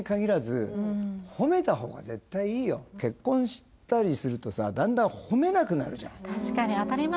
これは結婚したりするとさだんだん褒めなくなるじゃん